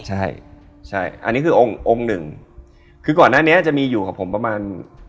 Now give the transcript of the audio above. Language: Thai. ใช่ใช่อันนี้คือองค์องค์หนึ่งคือก่อนหน้านี้จะมีอยู่กับผมประมาณ